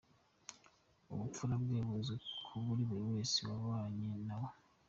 Ubupfura bwe buzwi na buri wese wabanye nawe.